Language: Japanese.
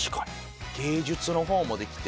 芸術の方もできて。